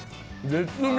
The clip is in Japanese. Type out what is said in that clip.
絶妙！